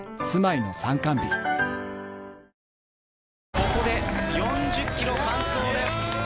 ここで４０ｋｍ完走です。